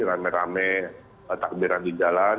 rame rame takbiran di jalan